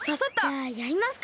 じゃあやりますか。